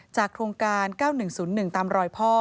โครงการ๙๑๐๑ตามรอยพ่อ